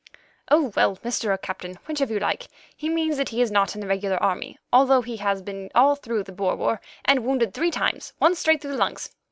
"Oh, well, Mr. or Captain, whichever you like. He means that he is not in the regular army, although he has been all through the Boer War, and wounded three times, once straight through the lungs.